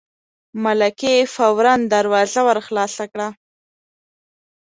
ملکې فوراً دروازه ور خلاصه کړه.